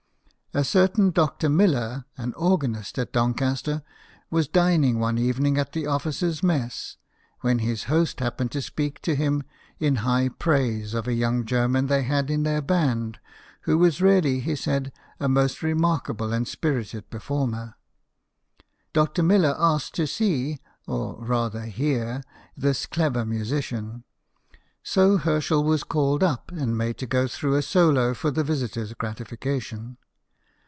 A certain Dr. Miller, an organist at Doncaster, was dining one evening at the officers' mess ; when his host happened to speak to him in high praise of a young German they had in their band, who was really, he said, a most remarkable and spirited performer. Dr. Miller asked to see (or rather hear) this clever musician ; so Herschel was called up, and made to go through a solo for the visitor's gratification.